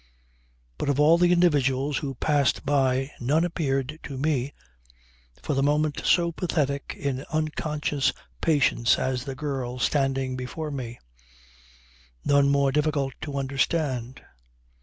But of all the individuals who passed by none appeared to me for the moment so pathetic in unconscious patience as the girl standing before me; none more difficult to understand.